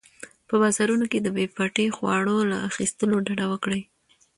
په بازارونو کې د بې پټي خواړو له اخیستلو ډډه وکړئ.